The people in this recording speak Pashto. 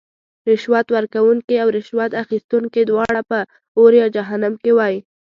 رشوت ورکوونکې او رشوت اخیستونکې دواړه به اور یا جهنم کې وی .